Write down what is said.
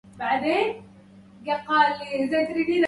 إذا كنت لا تستطيع الجماع